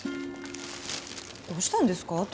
どうしたんですか？